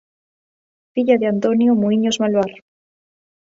Filla de Antonio Muíños Malvar.